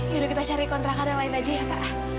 yaudah kita cari kontrakan yang lain aja ya pak